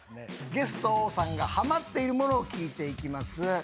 ゲストさんがはまっているものを聞いていきます。